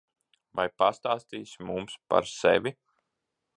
Vai pastāstīsi mums par sevi?